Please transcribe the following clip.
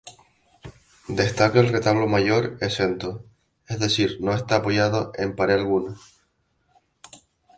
Destaca el retablo mayor "exento", es decir que no está apoyado en pared alguna.